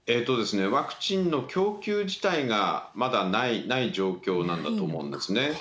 ワクチンの供給自体がまだない状況なんだと思うんですね。